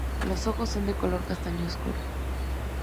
Los ojos son de color castaño oscuro.